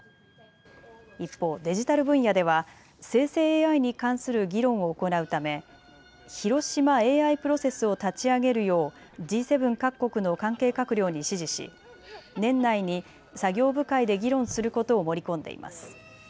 一方、デジタル分野では生成ＡＩに関する議論を行うため広島ＡＩプロセスを立ち上げるようＧ７各国の関係閣僚に指示し年内に作業部会で議論することを盛り込んでいます。